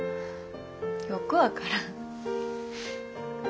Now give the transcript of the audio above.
よく分からん。